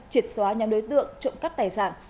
triệt xóa nhóm đối tượng trộm cắp tài sản